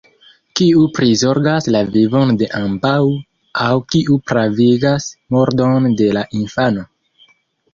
Kiu prizorgas la vivon de ambaŭ aŭ kiu pravigas murdon de la infano?